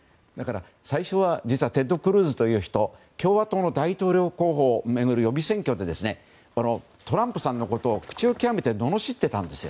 最初は実はテッド・クルーズという人共和党の大統領候補を巡る予備選挙でトランプさんのことをののしっていたんです。